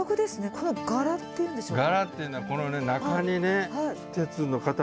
この柄っていうんでしょうか。